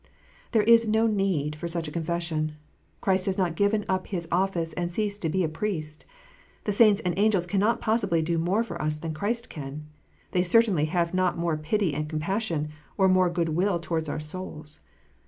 There is no need for such a confession. Christ has not given up His office, and ceased to be a Priest. The saints and angels cannot possibly do more for us than Christ can. They certainly have not more pity or compassion, or more good will towards our souls.